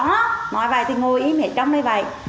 nói vậy thì ngồi im hết trơn mới vậy